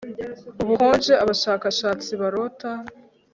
ubukonje abashakashatsi barota